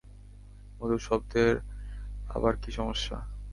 মধুর শব্দের আবার কি সমস্যা?